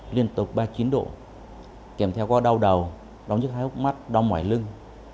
liên tục ba mươi chín độ kèm theo có đau đầu đau nhức hái hốc mắt đau ngoài lưng